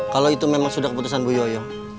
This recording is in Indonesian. kalau itu memang sudah keputusan bu yoyo